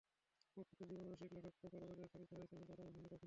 প্রকৃত জীবনরসিক লেখক প্রখর আবেগে তাড়িত হয়েছেন, কিন্তু আপনহারা হননি কখনো।